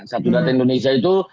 satu data indonesia itu